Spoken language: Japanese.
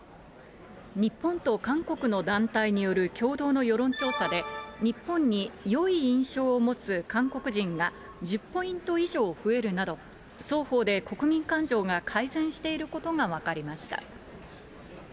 日本と韓国の団体による共同の世論調査で、日本によい印象を持つ韓国人が１０ポイント以上増えるなど、双方で国民感情が改善していることが分かりました。